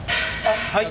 はい！